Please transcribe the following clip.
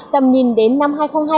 tầm nhìn đến năm hai nghìn hai mươi năm